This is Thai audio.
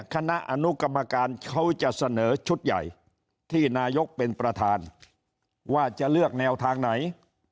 คณะอนุกรรมการเขาจะเสนอชุดใหญ่ที่นายกเป็นประธานว่าจะเลือกแนวทางไหน